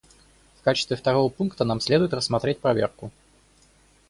В качестве второго пункта нам следует рассмотреть проверку.